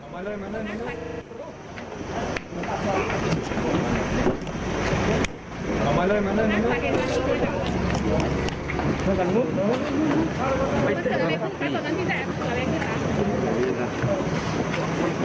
เมื่อเกิดอะไรพบกันตอนนั้นที่จะแอบเกิดอะไรพี่คะ